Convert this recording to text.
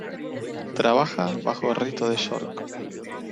Trabaja bajo el Rito de York.